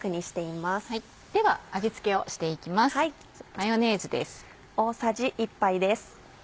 マヨネーズです。